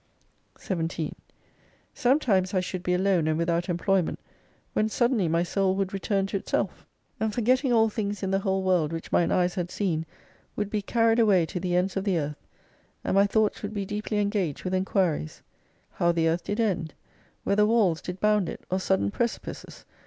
17 Sometimes I should be alone, and without employ ment, when suddenly my Soul would return to itself, 169 and forgetting all things in the whole world which mine eyes had seen, would be carried away to the ends of the earth : and my thoughts would be deeply engaged with enquiries : How the Earth did end? Whether walls did bound it, or sudden precipices?